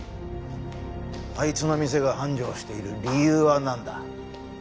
あいつの店が繁盛している理由はなんだ？